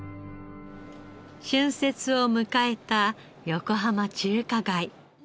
春節を迎えた横浜中華街。